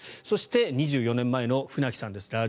そして２４年前の船木さんです。